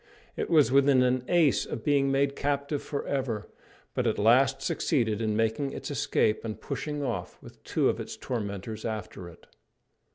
It was within an ace of being made captive for ever, but at last succeeded in making its escape and pushing off, with two of its tormentors after it.